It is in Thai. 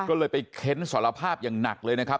ก็เลยไปเค้นสารภาพอย่างหนักเลยนะครับ